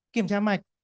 kiểm tra mạch